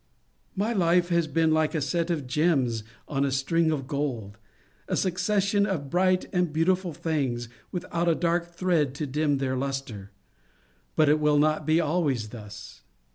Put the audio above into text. My life has been like a set of gems on a string of gold, — a succession of bright and beautiful things, without a dark thread to dim their lustre. But it will not be always thus.